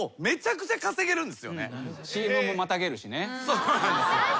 そうなんですよ。